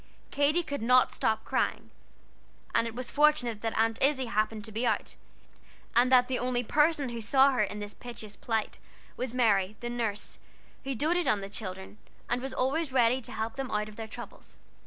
Katy could not stop crying, and it was fortunate that Aunt Izzie happened to be out, and that the only person who saw her in this piteous plight was Mary, the nurse, who doted on the children, and was always ready to help them out of their troubles.